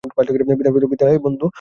বিদায়, বন্ধু।